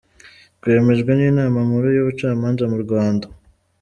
Rwemejwe n’inama nkuru y’ubucamanza mu Rwanda.